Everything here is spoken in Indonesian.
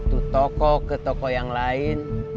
satu toko ke toko yang lain